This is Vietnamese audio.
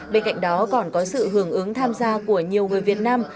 bên cạnh đó còn có sự hưởng ứng tham gia của nhiều người việt nam